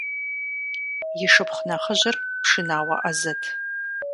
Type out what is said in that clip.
И шыпхъу нэхъыжьыр пшынауэ Ӏэзэт.